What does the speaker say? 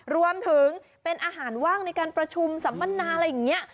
รวมถึงเป็นอาหารว่างในการประชุมสัมมนาอะไรอย่างนี้